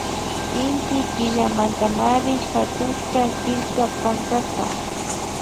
Inti Killamantamari hatushka killka pankaka